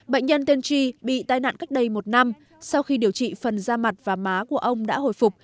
bệnh nhân tên tri bị tai nạn cách đây một năm sau khi điều trị phần da mặt và má của ông đã hồi phục